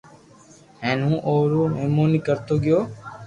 ھين او رو مھموني ڪرتو گيو